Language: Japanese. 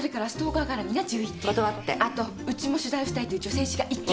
あとウチも取材をしたいという女性誌が１件。